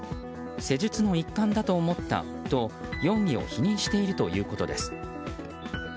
施術の一環だと思ったと容疑を否認しているということです。